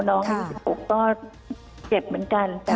น้อง๒๖ก็เจ็บเหมือนกัน